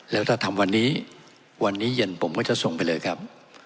แล้วถ้าทำวันนี้วันนี้เย็นผมก็จะส่งไปเลยครับ